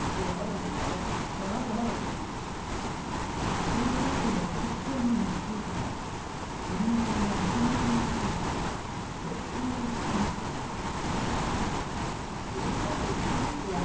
児童手当の所得制限については自民党の茂木幹事長が撤廃を主張しています。